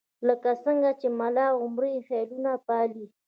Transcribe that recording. لکه څنګه چې ملاعمر خیالونه پالي.